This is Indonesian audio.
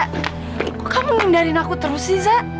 kok kamu ngendarin aku terus riza